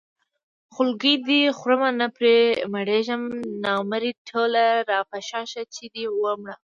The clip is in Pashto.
خولګۍ دې خورم نه پرې مړېږم نامرې ټوله راپشا شه چې دې وړمه